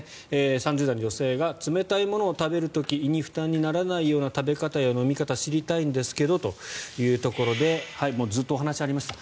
３０代女性が冷たいものを食べる時に胃に負担にならないような食べ方、飲み方を知りたいんですけどということでずっとお話がありました